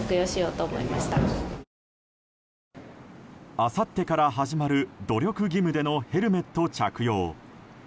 あさってから始まる努力義務でのヘルメット着用。